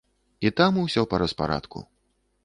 І там усё па распарадку.